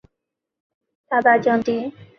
而且远距离武器作用大大降低。